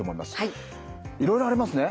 いろいろありますね。